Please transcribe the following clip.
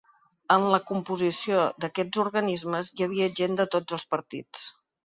En la composició d’aquests organismes hi havia gent de tots els partits.